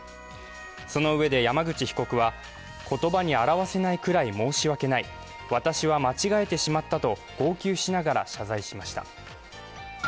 そのうえで山口被告は言葉に表せないくらい申し訳ない私は間違えてしまったと号泣しながら謝罪しました。